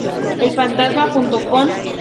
El fantasma, junto con.